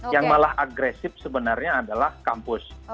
yang malah agresif sebenarnya adalah kampus